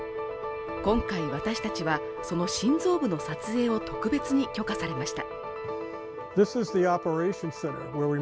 今回私達はその心臓部の撮影を特別に許可されました。